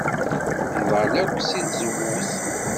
Nḍall akk seg tzewwut.